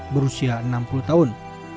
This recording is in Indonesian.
berusia enam puluh tahun